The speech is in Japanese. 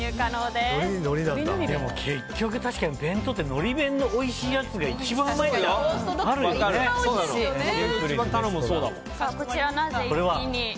でも結局確かに弁当ってのり弁のおいしいやつがこちら、なぜ逸品に？